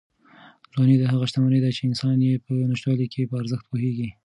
ځواني هغه شتمني ده چې انسان یې په نشتوالي کې په ارزښت پوهېږي.